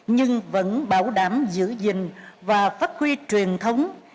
nhưng vẫn bảo đảm giữ gìn và phát huy truyền thống